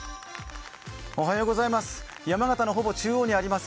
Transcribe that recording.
山形のほぼ中央にあります